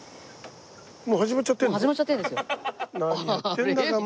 もう始まっちゃってるの？